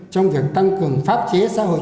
trong việc tăng cường pháp chế xã hội